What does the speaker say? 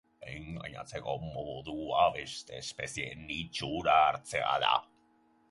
Engainatzeko modua, beste espezieen itxura hartzea da.